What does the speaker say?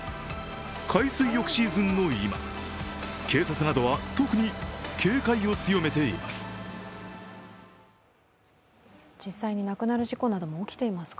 海水浴シーズンの今、警察などは特に警戒を強めています。